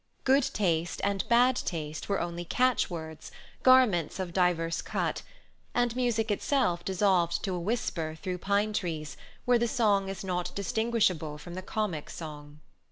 Good taste and bad taste were only catchwords, garments of diverse cut; and music itself dissolved to a whisper through pine trees, where the song is not distinguishable from the comic song.